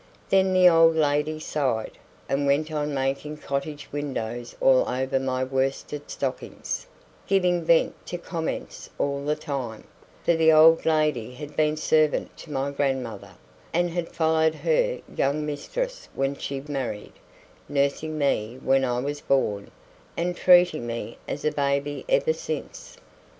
Then the old lady sighed, and went on making cottage windows all over my worsted stockings, giving vent to comments all the time, for the old lady had been servant to my grandmother, and had followed her young mistress when she married, nursing me when I was born, and treating me as a baby ever since.